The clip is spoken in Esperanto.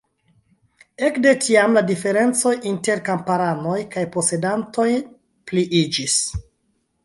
Ekde tiam la diferencoj inter kamparanoj kaj posedantoj pliiĝis.